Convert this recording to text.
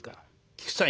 菊池さん